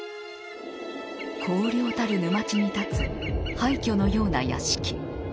荒涼たる沼地に建つ廃墟のような屋敷。